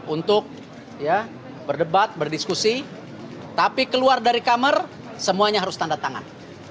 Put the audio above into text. untuk berdebat berdiskusi tapi keluar dari kamar semuanya harus tanda tangan